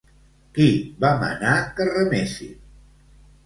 Qui va manar que remessin?